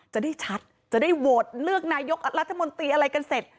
จะได้ชัดจะได้โหวตเลือกนายกรัฐมนตรีอะไรกันเสร็จ